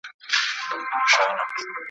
په لږ وخت کي یې پر ټو له کور لاس تېر کړ ,